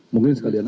mungkin sekalian aja